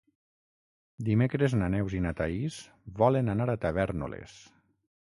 Dimecres na Neus i na Thaís volen anar a Tavèrnoles.